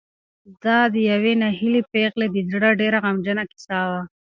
دا د یوې ناهیلې پېغلې د زړه ډېره غمجنه کیسه وه.